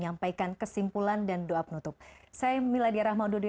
gapai kemuliaan akan kembali sesaat lagi